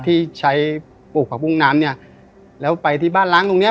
ที่ใช้ปลูกผักบุ้งน้ำเนี้ยแล้วไปที่บ้านล้างตรงเนี้ย